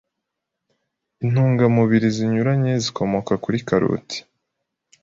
intungamubiri zinyuranye zikomoka kuri karoti.